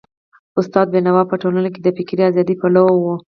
استاد بينوا په ټولنه کي د فکري ازادۍ پلوی و.